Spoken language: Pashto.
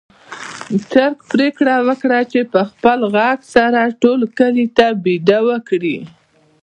چرګ پرېکړه وکړه چې په خپل غږ سره ټول کلي ته بېده وکړي.